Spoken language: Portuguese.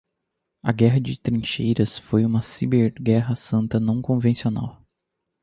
A guerra de trincheiras foi uma ciberguerra santa não convencional